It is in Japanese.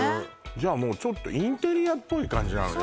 じゃあもうちょっとインテリアっぽい感じなのね